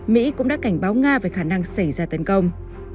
mỹ cũng đã cảnh báo nga về khả năng xảy ra tấn công